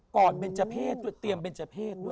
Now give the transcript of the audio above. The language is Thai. ก่อนเบนเจอร์เพศเตรียมเบนเจอร์เพศด้วย